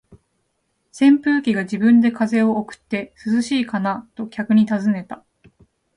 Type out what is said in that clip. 扇風機が自分で風を送って、「涼しいかな？」と客に尋ねた。